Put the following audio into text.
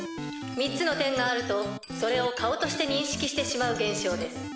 ３つの点があるとそれを顔として認識してしまう現象です。